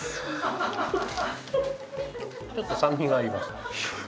ちょっと酸味がありますね。